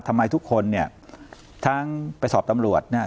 ทำไมทุกคนเนี่ยทั้งไปสอบตำรวจเนี่ย